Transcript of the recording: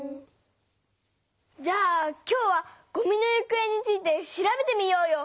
じゃあ今日は「ごみのゆくえ」について調べてみようよ！